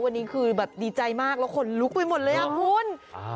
วันนี้คือแบบดีใจมากแล้วขนลุกไปหมดเลยอ่ะคุณ